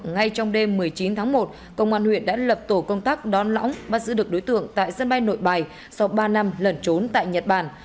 ngay trong đêm một mươi chín tháng một công an huyện đã lập tổ công tác đón lõng bắt giữ được đối tượng tại sân bay nội bài sau ba năm lẩn trốn tại nhật bản